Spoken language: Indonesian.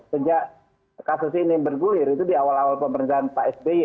sejak kasus ini bergulir itu di awal awal pemerintahan pak sby